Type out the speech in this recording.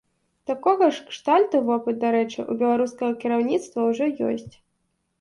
Такога ж кшталту вопыт, дарэчы, у беларускага кіраўніцтва ўжо ёсць.